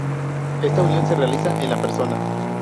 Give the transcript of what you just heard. Esta unión se realiza "en la persona".